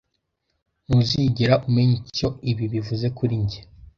Ntuzigera umenya icyo ibi bivuze kuri njye